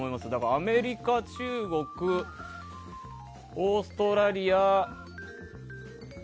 アメリカ、中国オーストラリア。